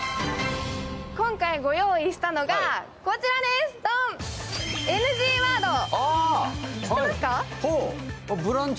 今回ご用意したのがこちらです、ドン！